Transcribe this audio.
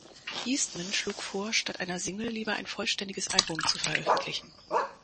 Eastman schlug vor statt einer Single lieber ein vollständiges Album zu veröffentlichen.